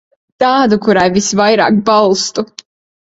Tādu, kurai visvairāk balstu.